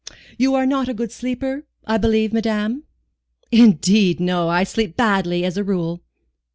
You are not a good sleeper, I believe, madame?" "Indeed no, I sleep badly, as a rule."